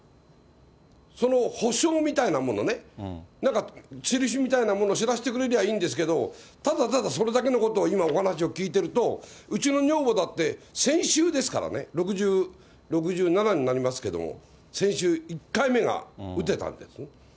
その保証みたいなものね、なんか、印みたいなものを知らせてくれりゃいいんですけど、ただただそれだけのことを今お話を聞いていると、うちの女房だって先週ですからね、６７になりますけども、先週、１回目が打てたんですね。